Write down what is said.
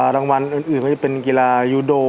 รางวัลอื่นก็จะเป็นกีฬายูโด